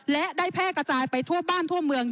และได้แพร่กระจายไปทั่วบ้านทั่วเมือง